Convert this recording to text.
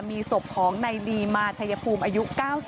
มีศพของในบีมาชัยภูมิอายุ๙๒